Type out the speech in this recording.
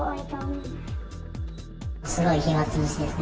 すごい暇つぶしですね。